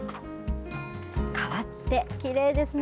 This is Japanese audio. かわってきれいですね。